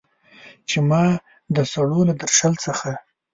چې ما د سړو له درشل څخه